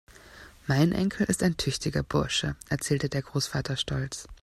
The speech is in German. Mein Enkel ist ein tüchtiger Bursche, erzählte der Großvater stolz.